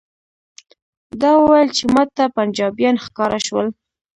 ده وویل چې ماته پنجابیان ښکاره شول.